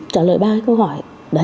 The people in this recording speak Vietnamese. trả lời ba câu hỏi